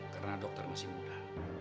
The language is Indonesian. karena dokter masih muda